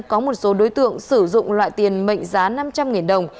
có một số đối tượng sử dụng loại tiền mệnh giá năm trăm linh đồng